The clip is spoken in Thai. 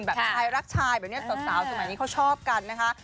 แบบชายรักชายแบบนี้สาวสมัยนี้เขาชอบกันนะคะ